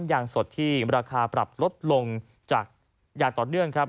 ยางสดที่ราคาปรับลดลงจากอย่างต่อเนื่องครับ